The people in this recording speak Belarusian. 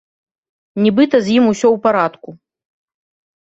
Нібыта з ім усё ў парадку.